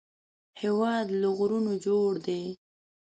هېواد له غرونو جوړ دی